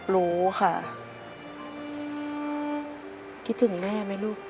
รู้ค่ะคิดถึงแม่ไหมลูก